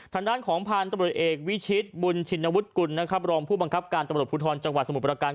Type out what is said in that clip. ทองด้านของผ่านตรวจแอบวิชิตบุญชินวุฒูโรงผู้บังคับการตรวจพุทธรจังหวัดสมุทรปราการ